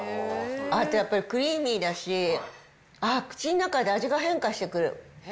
あとやっぱりクリーミーだし、ああ、口の中で味が変化してくる。